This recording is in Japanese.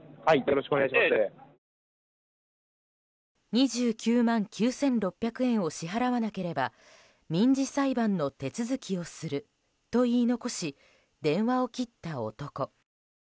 ２９万９６００円を支払わなければ民事裁判の手続きをすると言い残し、電話を切った男。